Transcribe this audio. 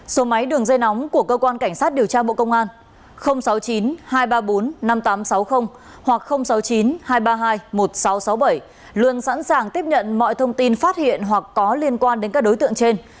số máy đường dây nóng của cơ quan cảnh sát điều tra bộ công an sáu mươi chín hai trăm ba mươi bốn năm nghìn tám trăm sáu mươi hoặc sáu mươi chín hai trăm ba mươi hai một nghìn sáu trăm sáu mươi bảy luôn sẵn sàng tiếp nhận mọi thông tin phát hiện hoặc có liên quan đến các đối tượng trên